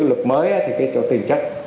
lực mới thì cái chỗ tiền chất